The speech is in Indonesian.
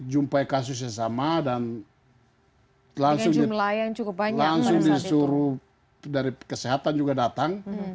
jumpai kasus yang sama dan langsung disuruh dari kesehatan juga datang